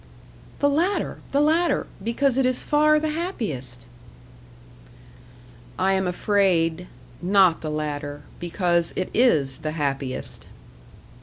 "The latter, the latter because it is far the happiest." "I am afraid, NOT the latter, because it IS the happiest."